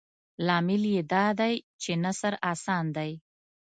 لامل یې دادی چې نثر اسان دی.